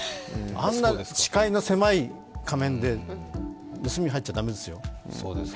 あんな視界の狭い仮面で盗みに入っちゃ駄目ですよ。